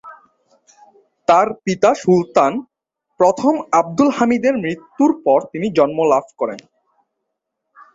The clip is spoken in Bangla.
তার পিতা সুলতান প্রথম আবদুল হামিদের মৃত্যুর পর তিনি জন্মলাভ করেন।